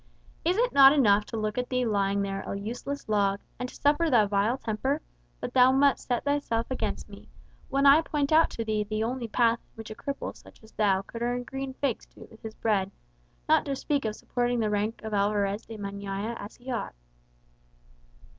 "Is it not enough to look at thee lying there a useless log, and to suffer thy vile temper; but thou must set thyself against me, when I point out to thee the only path in which a cripple such as thou could earn green figs to eat with his bread, not to speak of supporting the rank of Alvarez de Meñaya as he ought."